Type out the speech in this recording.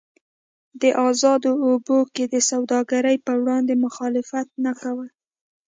په ازادو اوبو کې د سوداګرۍ پر وړاندې مخالفت نه کول.